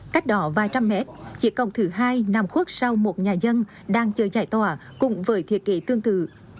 cách đỏ vài trăm mét chỉ cổng thứ hai nằm khuất sau một nhà dân đang chờ giải tỏa cùng với thiết kế tương tự